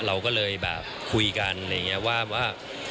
เราก็เลยแบบคุยกันอะไรอย่างนี้ว่า